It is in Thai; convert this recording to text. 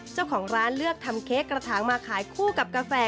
เจ้าของร้านเลือกทำเค้กกระถางมาขายคู่กับกาแฟ